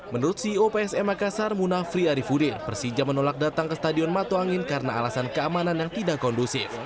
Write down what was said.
menurut ceo psm makassar munafri arifudin persija menolak datang ke stadion mato angin karena alasan keamanan yang tidak kondusif